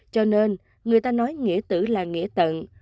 cho nên người ta nói nghĩa tử là nghĩa tận